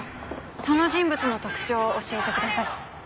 その人物の特徴を教えてください。